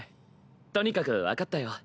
とにかく分かったよ。